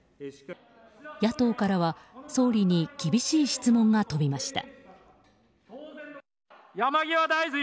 野党からは総理に厳しい質問が飛びました。